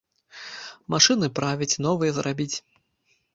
Машыны правіць, новыя зрабіць.